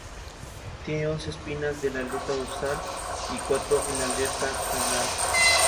Tiene once espinas en la aleta dorsal y cuatro en la aleta anal.